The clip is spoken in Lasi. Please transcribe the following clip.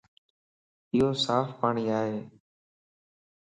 ايو صاف پاڻي ائي